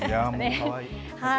かわいい。